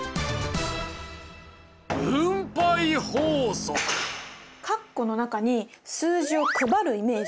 括弧の中に数字を配るイメージね。